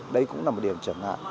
đấy cũng là một điểm trở ngại